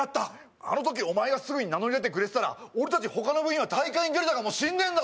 あの時お前がすぐに名乗り出てくれてたら、俺たち他の部員は試合に出られたかもしれないんだぞ。